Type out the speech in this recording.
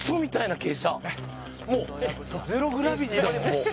もうゼロ・グラビティだもんもう。